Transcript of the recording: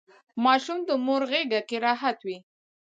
ماشوم د مور غیږکې راحت وي.